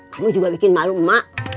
kamu juga bikin malu mak